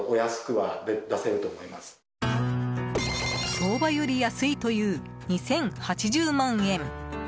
相場より安いという２０８０万円！